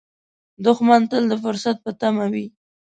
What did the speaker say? دښمن تل د فرصت په تمه وي